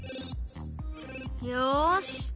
よし！